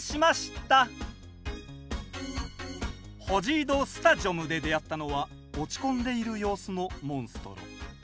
ホジード・スタジョムで出会ったのは落ち込んでいる様子のモンストロ。